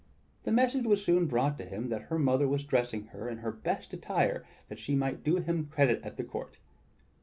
The message was soon brought to him that her mother was dressing her in her best attire that she might do him credit at the court.